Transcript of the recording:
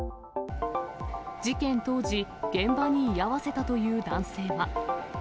事件当時、現場に居合わせたという男性は。